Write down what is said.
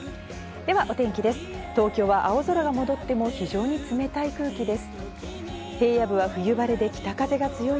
ではお天気です。